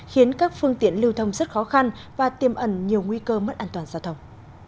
khiến các phương tiện lưu thông rất khó khăn và tiêm ẩn nhiều nguy cơ mất an toàn giao thông